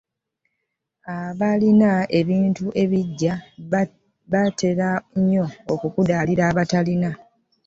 Abalina ebintu ebiji batera nnyo okukudaalira batalina .